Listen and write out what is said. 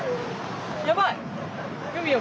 やばい！